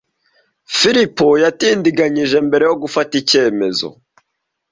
Philip yatindiganyije mbere yo gufata icyemezo.